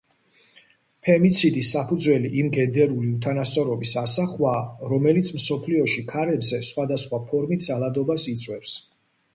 ფემიციდის საფუძველი იმ გენდერული უთანასწორობის ასახვაა, რომელიც მსოფლიოში ქალებზე სხვადასხვა ფორმით ძალადობას იწვევს.